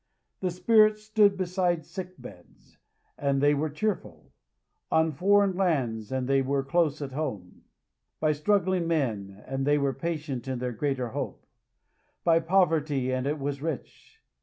The Spirit stood beside sick beds, and they were cheerful; on foreign lands, and they were close at home; by struggling men, and they were patient in their greater hope; by poverty, and it was rich.